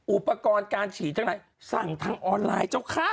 อุปกรณ์การฉีดทั้งหลายสั่งทางออนไลน์เจ้าค่ะ